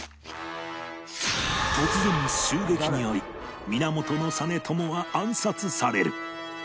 突然襲撃に遭い源実朝は暗殺される